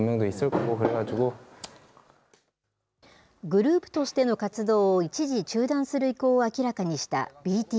グループとしての活動を一時中断する意向を明らかにしたＢＴＳ。